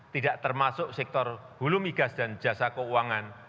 tidak termasuk sektor hulumigas dan jasa keuangan